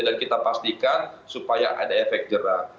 dan kita pastikan supaya ada efek jerak